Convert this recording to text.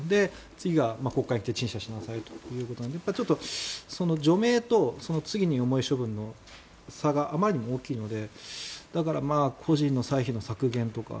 次が国会で陳謝しなさいということなので除名と次に重い処分の差があまりにも大きいのでだから個人の歳費の削減とか。